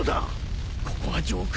ここは上空！